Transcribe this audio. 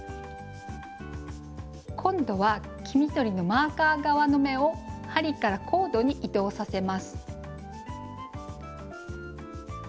今度は黄緑のマーカー側の目を針からコードに移動させます。